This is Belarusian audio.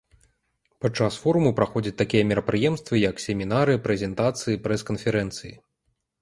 Падчас форуму праходзяць такія мерапрыемствы, як семінары, прэзентацыі, прэс-канферэнцыі.